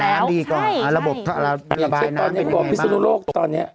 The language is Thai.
แต่อย่างที่ตอนนี้เขาบอกว่าพิษนุโลกตอนนี้